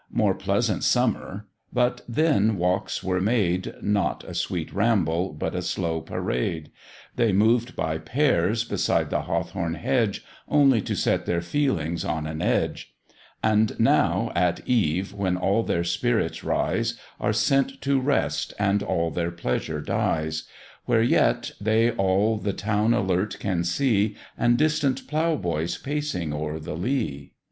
More pleasant summer; but then walks were made, Not a sweet ramble, but a slow parade; They moved by pairs beside the hawthorn hedge, Only to set their feelings on an edge; And now at eve, when all their spirits rise, Are sent to rest, and all their pleasure dies; Where yet they all the town alert can see, And distant plough boys pacing o'er the lea.